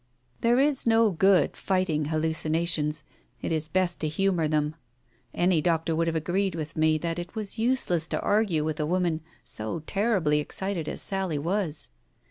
There is no good fighting hallucinations, it is best to humour them. Any doctor would have agreed with me that it was useless to argue with a woman so terribly excited as Sally was.